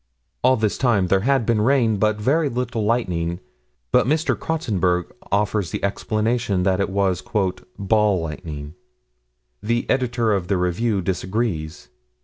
All this time there had been rain, but very little lightning, but Mr. Crotsenburg offers the explanation that it was "ball lightning." The Editor of the Review disagrees.